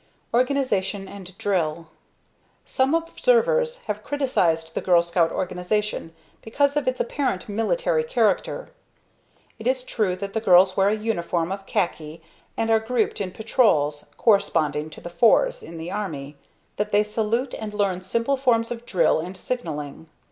Organization and Drill. Some observers have criticized the Girl Scout organization because of its apparent military character. It is true that the girls wear a uniform of khaki, and are grouped in Patrols, corresponding to the "fours" in the Army; that they salute, and learn simple forms of drill and signalling.